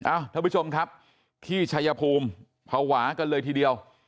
ท่านผู้ชมครับที่ชายภูมิภาวะกันเลยทีเดียว